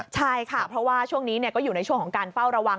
ใช่ค่ะเพราะว่าช่วงนี้ก็อยู่ในช่วงของการเฝ้าระวัง